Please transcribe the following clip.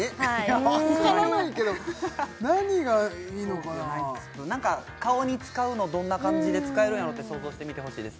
わからないけど何がいいのかななんか顔に使うのどんな感じで使えるんやろって想像してみてほしいです